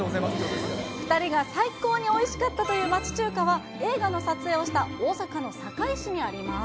２人が最高においしかったという町中華は、映画の撮影をした大阪の堺市にあります。